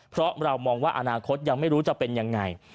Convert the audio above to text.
เพราะเรามองว่าอนาคตยังไม่รู้จะเป็นยังไง